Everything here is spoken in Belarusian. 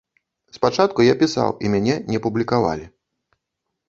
Спачатку я пісаў і мяне не публікавалі.